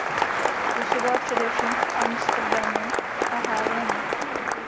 Působila především v Amsterodamu a Haarlemu.